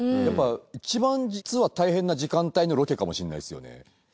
やっぱいちばん実は大変な時間帯のロケかもしれないですよね。